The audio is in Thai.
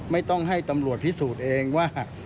ไม่ต้องให้ตำรวจพิสูจน์เองว่า